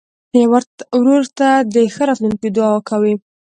ورور ته د ښه راتلونکي دعا کوې.